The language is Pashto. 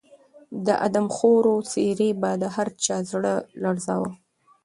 د آدمخورو څېرې به د هر چا زړه لړزاوه.